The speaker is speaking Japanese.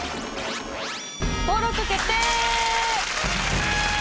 登録決定！